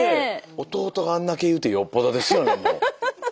弟があんだけ言うってよっぽどですよね